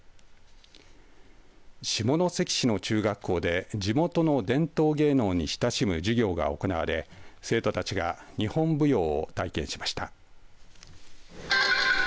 下関市の中学校で地元の伝統芸能に親しむ授業が行われ生徒たちが日本舞踊を体験しました。